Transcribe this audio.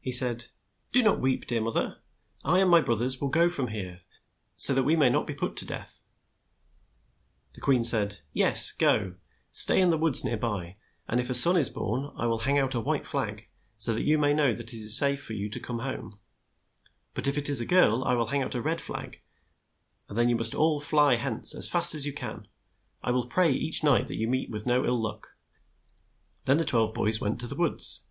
He said, "Do not weep, dear moth er. I and my broth ers will go from here, so that we may not be put to death." The queen said, '' Yes, go. Stay in the woods near by, and if a son is born, I will hang out a white flag, so that you may know that it is safe for you to come home ; but if it is a girl, I will hang out a red flag, and then you must all fly hence as fast as you can. I will pray each night that you meet with no ill luck." Then the twelve boys went to the woods.